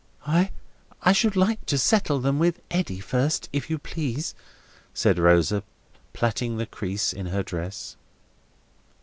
"I—I should like to settle them with Eddy first, if you please," said Rosa, plaiting the crease in her dress.